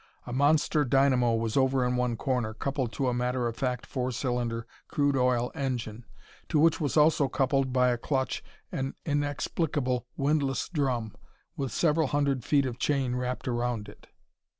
A monster dynamo was over in one corner, coupled to a matter of fact four cylinder crude oil engine, to which was also coupled by a clutch an inexplicable windlass drum with several hundred feet of chain wrapped around it.